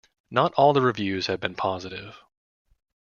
Not all the reviews have been positive.